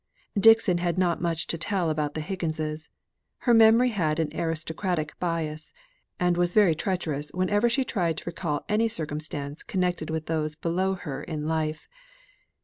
Dixon had not much to tell about the Higginses. Her memory had an aristocratic bias, and was very treacherous whenever she tried to recall any circumstance connected with those below her in life.